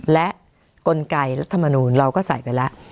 และกลไกรัฐมนูลเราก็ใส่ไปแล้ว